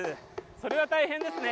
それは大変ですね